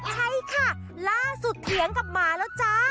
ใช่ค่ะล่าสุดเถียงกับหมาแล้วจ้า